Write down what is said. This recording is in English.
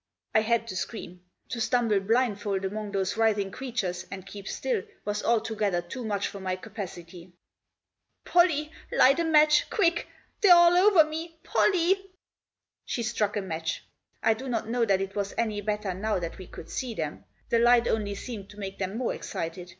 I had to scream; to stumble blindfold among those writhing creatures, and keep still, was altogether too much for my capacity. " Pollie !— light a match !— quick !— they're all over me !— Pollie !" She struck a match. I do not know that it was any better now that we could see them. The light only seemed to make them more excited.